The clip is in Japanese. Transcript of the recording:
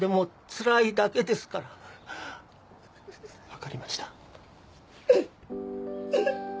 分かりました。